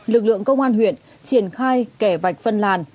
lực lượng công an huyện triển khai kẻ vạch phân làn